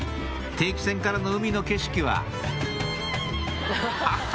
定期船からの海の景色はあっ！